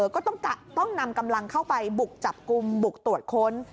ก็ต้องนำกำลังเข้าไปบุกจับกลุ่มบุกตรวจค้น